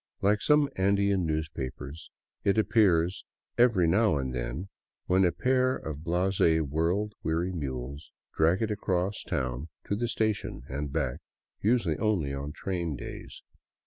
Like some Andean newspapers, it appears " every now and then," when a pair of blase, world weary mules drag it across town to the station and back, usually only on train days.